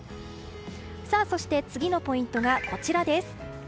そして次のポイントがこちらです。